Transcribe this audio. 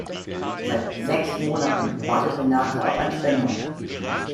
Seit sechs Monaten wartet Renate auf ein Spenderorgan.